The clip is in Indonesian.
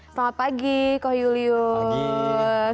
selamat pagi koh julius